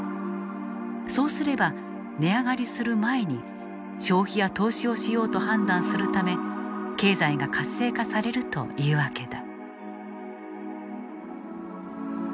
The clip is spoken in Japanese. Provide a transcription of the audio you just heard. そうすれば値上がりする前に消費や投資をしようと判断するため経済が活性化されるというわけだ。